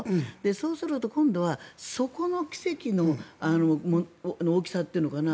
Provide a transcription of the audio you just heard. そうすると今度はそこの奇跡の大きさというのかな